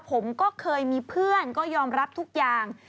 ผมก็เคยมีเพื่อนก็ยอมรับทุกอย่าง